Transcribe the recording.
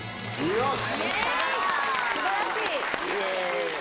よし！